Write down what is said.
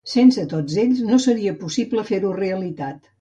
Sense tots ells no seria possible fer-ho realitat.